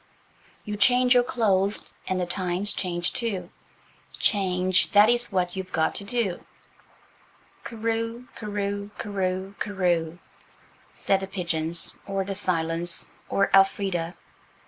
"You change your clothes and the times change too– Change, that is what you've got to do; Cooroo, cooroo, cooroo, cooroo," said the pigeons or the silence or Elfrida.